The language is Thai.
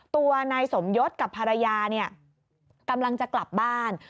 ตัวนายสมยศกับภรรยาเนี่ยกำลังจะกลับบ้าน